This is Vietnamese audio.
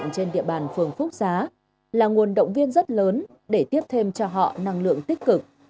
trên địa bàn phường phúc giá là nguồn động viên rất lớn để tiếp thêm cho họ năng lượng tích cực